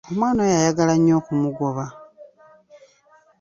Omwana oyo ayagala nnyo okumugoba.